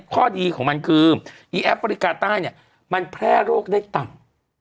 ข้อดีของมันคืออีแอฟริกาใต้เนี่ยมันแพร่โรคได้ต่ำ